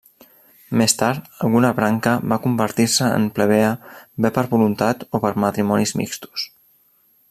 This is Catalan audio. Més tard alguna branca va convertir-se en plebea bé per voluntat o per matrimonis mixtos.